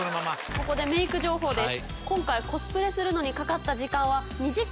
ここでメーク情報です。